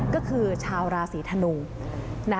ก็คือชาวราศีธนู